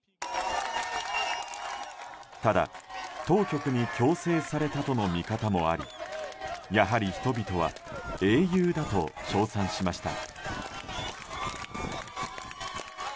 ただ、当局に強制されたとの見方もありやはり人々は英雄だと称賛しました。